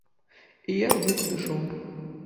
І я туды падышоў.